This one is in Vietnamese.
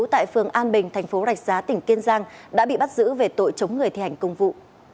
tại phường an bình thành phố rạch giá tỉnh kiên giang đã bị bắt giữ về tội chống người thi hành công vụ